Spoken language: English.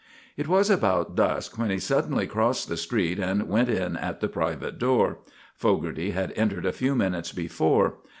It was about dusk when he suddenly crossed the street and went in at the private door. Fogarty had entered a few minutes before.